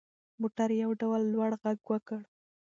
موټر یو ډول لوړ غږ وکړ.